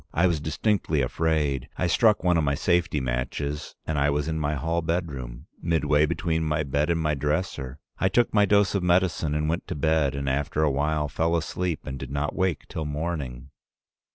I was distinctly afraid. I struck one of my safety matches, and I was in my hall bedroom, midway between my bed and my dresser. I took my dose of medicine and went to bed, and after a while fell asleep and did not wake till morning.